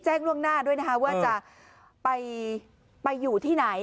ล่วงหน้าด้วยนะคะว่าจะไปอยู่ที่ไหน